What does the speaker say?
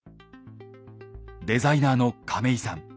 デザイナーの亀井さん。